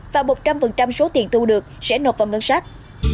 và một trăm linh số tiền thu được sẽ nộp vào ngân sách